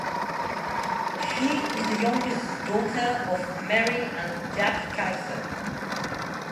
She is the youngest daughter of Mary and Jack Kaizer.